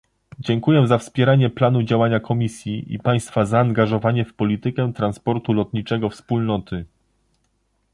Dziękuję za wspieranie planu działania Komisji i państwa zaangażowanie w politykę transportu lotniczego Wspólnoty